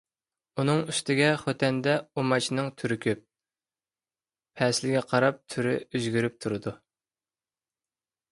ئۇنىڭ ئۈستىگە خوتەندە ئۇماچنىڭ تۈرى كۆپ. پەسىلگە قاراپ تۈرى ئۆزگىرىپ تۇرىدۇ.